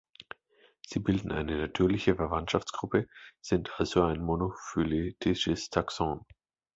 Sie bilden eine natürliche Verwandtschaftsgruppe, sind also ein monophyletisches Taxon.